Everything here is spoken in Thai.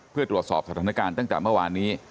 เพื่อตรวจสอบสถานการณ์ตั้งแต่เมื่อวานนี้